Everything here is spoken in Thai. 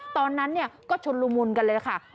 ตอนนั้นก็ชุนละมุนกันเลยล่ะค่ะ